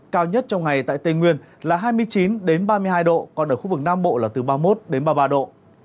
cao nhất trong ngày tại tây nguyên là hai mươi chín ba mươi hai độ còn ở khu vực nam bộ là từ ba mươi một đến ba mươi ba độ